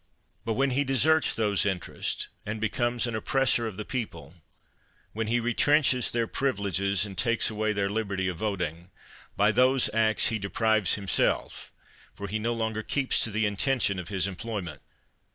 But when he deserts those interests, and becomes an oppressor of the people; when he retrenches their privileges, and takes away their liberty of voting; by those acts he deprives himself, for he no longer keeps to the intention of his employment.